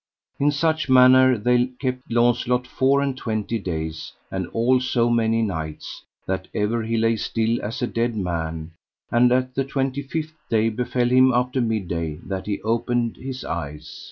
In such manner they kept Launcelot four and twenty days and all so many nights, that ever he lay still as a dead man; and at the twenty fifth day befell him after midday that he opened his eyes.